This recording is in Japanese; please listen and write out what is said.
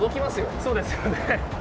そうですよね。